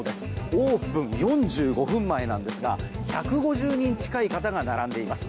オープン４５分前なんですが１５０人近い方が並んでます。